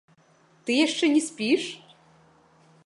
Ты яшчэ не спіш?